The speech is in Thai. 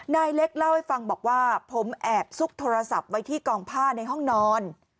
นายเล็กเล่าให้ฟังบอกว่าผมแอบซุกโทรศัพท์ไว้ที่กองผ้าในห้องนอน